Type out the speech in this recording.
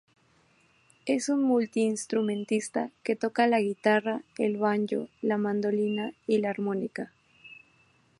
Es un multi-instrumentista que toca la guitarra, el banjo, la mandolina y la armónica.